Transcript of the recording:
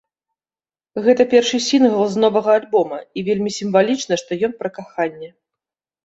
Гэта першы сінгл з новага альбома, і вельмі сімвалічна, што ён пра каханне.